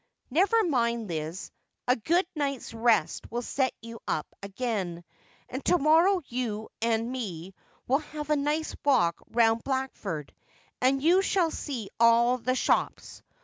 Never mind, Liz ; a good night's rest will set you up again, and to morrow you ami 328 Just as I Am. me will have a nice walk round Blackford, and you shall see all the shops.